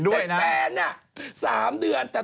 สวัสดีครับ